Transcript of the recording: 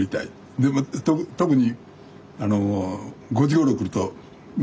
で特に５時ごろ来るとね。